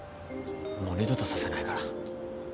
もう二度とさせないから。